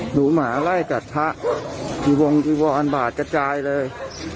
หนูหมาไล่กัดทะที่วงที่วอนบาทกระจายเลย